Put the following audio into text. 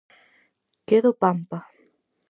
-Quedo pampa!